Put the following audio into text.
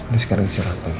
lo sekarang siap siap